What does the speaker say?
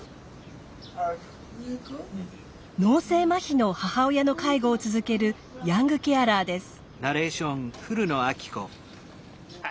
脳性麻痺の母親の介護を続けるヤングケアラーです。